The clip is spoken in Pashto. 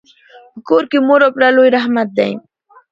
په کور کي مور او پلار لوی رحمت دی.